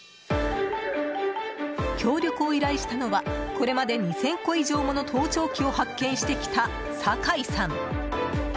協力を依頼したのはこれまで２０００個以上もの盗聴器を発見してきた酒井さん。